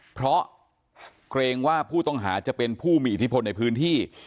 เพราะเกรงว่าผู้ต้องหาจะเป็นผู้มีอิทธิพลในพื้นที่